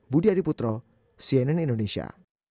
budi adiputro cnn indonesia